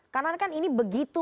karena kan ini begitu